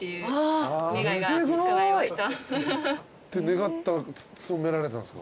願ったら勤められたんですか？